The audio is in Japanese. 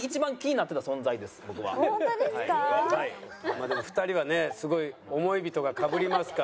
まあでも２人はねすごい思い人がかぶりますから。